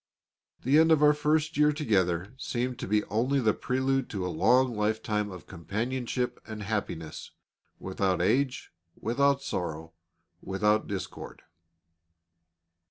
The end of our first year together seemed to be only the prelude to a long lifetime of companionship and happiness, without age, without sorrow, without discord.